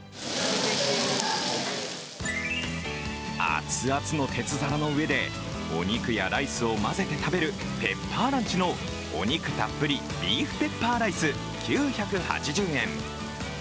熱々の鉄皿の上でお肉やライスを混ぜて食べるペッパーランチのお肉たっぷりビーフペッパーライス９８０円。